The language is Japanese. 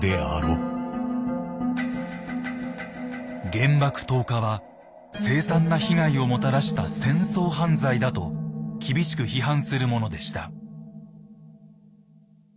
原爆投下は凄惨な被害をもたらした戦争犯罪だと厳しく批判するものでした。